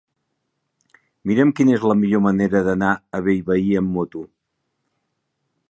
Mira'm quina és la millor manera d'anar a Bellvei amb moto.